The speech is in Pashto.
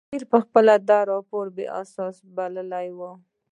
امیر پخپله دا راپورونه بې اساسه بللي وو.